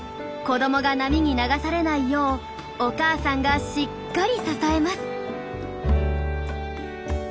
子どもが波に流されないようお母さんがしっかり支えます。